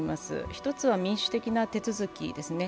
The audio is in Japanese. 一つは民主的な手続きですね。